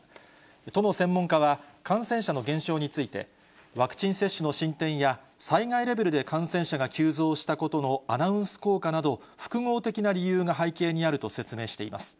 都の専門家は感染者の減少について、ワクチン接種の進展や、災害レベルで感染者が急増したことのアナウンス効果など、複合的な理由が背景にあると説明しています。